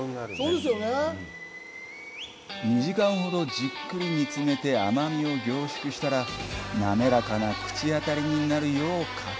２時間ほどじっくり煮詰めて甘みを凝縮したら、滑らかな口当たりになるよう撹拌。